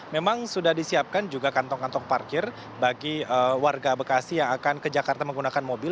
memang sudah disiapkan juga kantong kantong parkir bagi warga bekasi yang akan ke jakarta menggunakan mobil